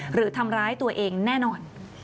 หรือทำร้ายตัวเองแน่นอน